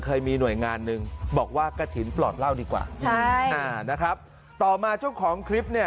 เคยมีหน่วยงานหนึ่ง